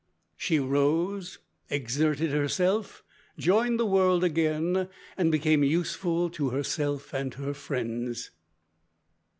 "She rose, exerted herself, joined the world again, and became useful to herself and her friends."